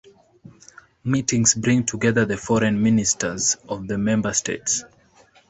Meetings bring together the Foreign Ministers of the Member States.